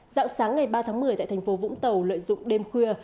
dạng sáng ngày ba tháng một mươi tại thành phố vũng tàu lợi dụng đêm khuya